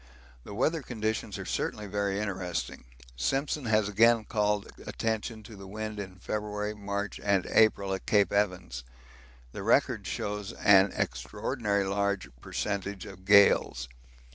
The weather conditions are certainly very interesting; Simpson has again called attention to the wind in February, March, and April at Cape Evans the record shows an extraordinary large percentage of gales.